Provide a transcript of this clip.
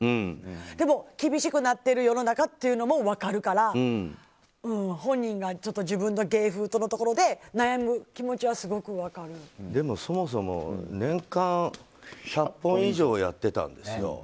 でも、厳しくなっている世の中も分かるから本人が自分の芸風とのところで悩む気持ちはでも、そもそも年間１００本以上やってたんですよ。